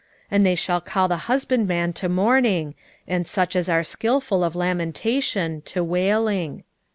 and they shall call the husbandman to mourning, and such as are skilful of lamentation to wailing.